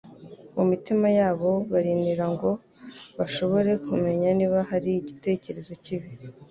Mu mitima yabo barinira ngo bashobore kumenya niba hari igitekerezo kibi